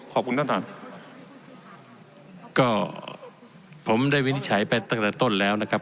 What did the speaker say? ขอบคุณท่านท่านก็ผมได้วินิจฉัยไปตั้งแต่ต้นแล้วนะครับ